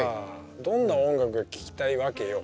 どんな音楽が聴きたいわけよ？